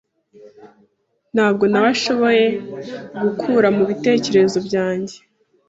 Ntabwo naweshoboye gukura mubitekerezo byanjye.